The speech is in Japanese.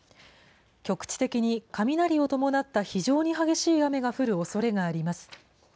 局地的に雷を伴った非常に激しい雨が降るおそれがあります。